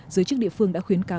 giới chức địa phương đã khuyến cáo